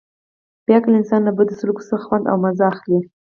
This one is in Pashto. بې عقله انسان له بد سلوک څخه خوند او مزه اخلي.